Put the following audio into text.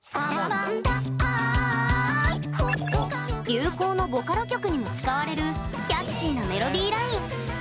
流行のボカロ曲にも使われるキャッチーなメロディーライン。